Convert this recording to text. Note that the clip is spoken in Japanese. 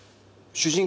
主人公側？